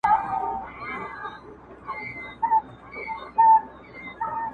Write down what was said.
• هم له کلیو هم له ښار دعوې راتللې -